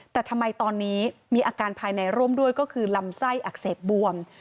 แต่ทำไมตอนนี้มีอาการภายในร่วมด้วยก็คือลำไส้อักเสบบวม